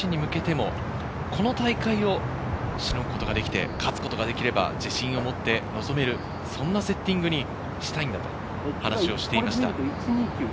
プロもその全米女子に向けてもこの大会を凌ぐ事ができて、勝つことができれば、自信を持って臨むことができる、そんなセッティングにしたいんだと話をしていました。